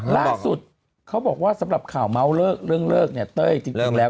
ล่าสุดเขาบอกว่าสำหรับข่าวเมาส์เรื่องเลิกเนี่ยเต้ยจริงแล้ว